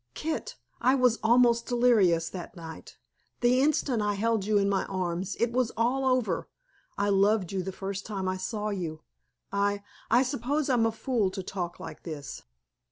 Kit, I was almost delirious that night. The instant I held you in my arms It was all over. I loved you the first time I saw you. I I suppose I'm a fool to talk like this."